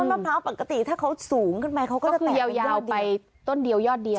มะพร้าวปกติถ้าเขาสูงขึ้นไปเขาก็จะยาวไปต้นเดียวยอดเดียว